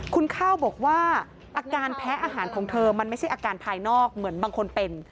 คุณข้าวบอกว่าอาการแพ้อาหารของเธอมันไม่ใช่อาการภายนอกเหมือนบางคนเป็น